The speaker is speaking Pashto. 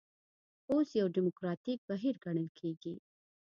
اوس یو ډیموکراتیک بهیر ګڼل کېږي.